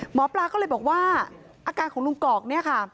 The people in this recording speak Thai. หมอปลาก็เลยบอกว่าอาการของลุงกอกเนี่ยค่ะ